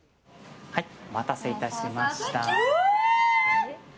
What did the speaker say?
お待たせいたしました。